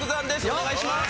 お願いします。